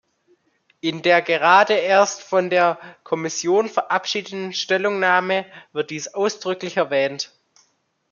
In der gerade erst von der Kommission verabschiedeten Stellungnahme wird dies ausdrücklich erwähnt.